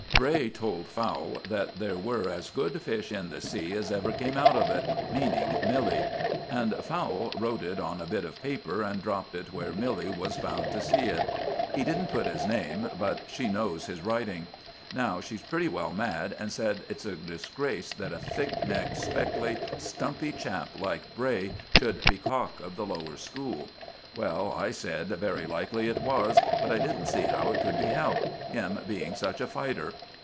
Bray told Fowle that there were as good fish in the sea as ever came out of it meaning Milly; and Fowle wrote it on a bit of paper and dropped it where Milly was bound to see it. He didn't put his name, but she knows his writing. Now she's pretty well mad, and says it's a disgrace that a thick necked, speckly, stumpy chap like Bray should be cock of the lower school. Well, I said, very likely it was, but I didn't see how it could be helped, him being such a fighter.